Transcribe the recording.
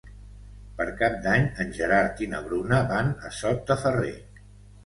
Per Cap d'Any en Gerard i na Bruna van a Sot de Ferrer.